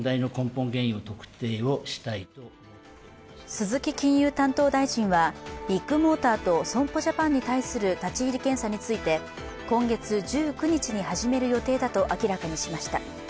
鈴木金融担当大臣はビッグモーターと損保ジャパンに対する立ち入り検査について、今月１９日に始める予定だと明らかにしました。